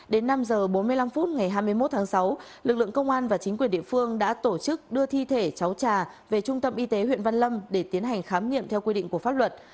đến năm h bốn mươi năm phút ngày hai mươi một tháng sáu lực lượng công an và chính quyền địa phương đã tổ chức đưa thi thể cháu trà về trung tâm y tế huyện văn lâm để tiến hành khám nghiệm theo quy định của pháp luật